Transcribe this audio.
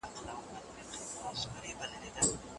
تاسو باید د انټرنیټ امنیت ته پام وکړئ.